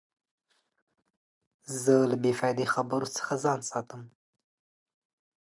زه له بې فایدې خبرو څخه ځان ساتم.